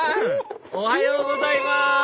おはようございますうわ！